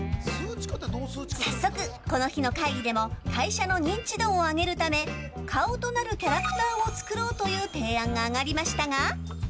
早速、この日の会議でも会社の認知度を上げるため顔となるキャラクターを作ろうという提案が上がりましたが。